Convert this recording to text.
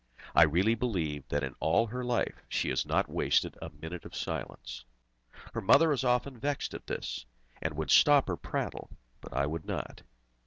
I really believe that in all her life she has not wasted a minute in silence. Her mother is often vexed at this, and would stop her prattle, but I would not.